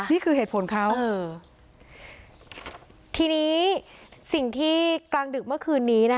นี่คือเหตุผลเขาเออทีนี้สิ่งที่กลางดึกเมื่อคืนนี้นะคะ